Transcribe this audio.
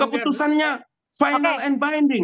keputusannya final and binding